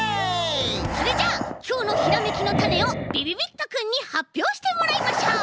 それじゃあきょうのひらめきのタネをびびびっとくんにはっぴょうしてもらいましょう。